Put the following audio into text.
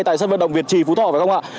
tại sân vận động việt trì phú thọ phải không ạ